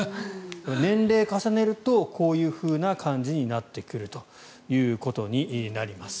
年齢を重ねるとこういう感じになってくるということになります。